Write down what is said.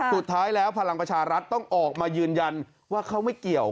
สุดท้ายแล้วพลังประชารัฐต้องออกมายืนยันว่าเขาไม่เกี่ยว